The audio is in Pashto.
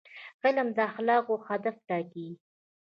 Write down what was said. علم د اخلاقو هدف ټاکي.